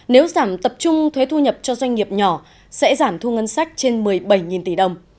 nếu giảm tập trung thuế thu nhập cho doanh nghiệp nhỏ sẽ giảm thu ngân sách trên một mươi bảy tỷ đồng